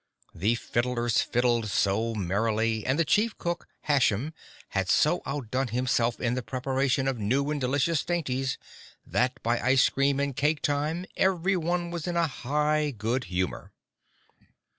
The fiddlers fiddled so merrily, and the chief cook Hashem had so outdone himself in the preparation of new and delicious dainties, that by ice cream and cake time everyone was in a high good humor.